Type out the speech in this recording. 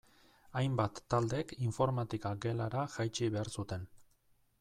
Hainbat taldek informatika gelara jaitsi behar zuten.